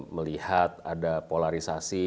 melihat ada polarisasi